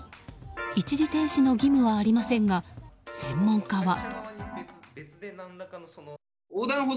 一時停止の義務はありませんが専門家は。